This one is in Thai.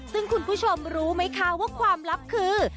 ซึ่งคุณผู้ชมรู้ไหมคะว่าความลับคือ